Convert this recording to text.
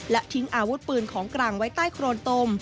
และทิ้งอาวุธปืนของกลางไว้ใต้โครนตม